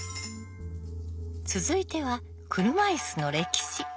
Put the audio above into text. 続いては車いすの歴史。